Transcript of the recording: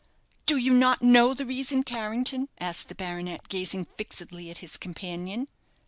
"Do you not know the reason, Carrington?" asked the baronet, gazing fixedly at his companion.